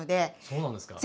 そうなんですか。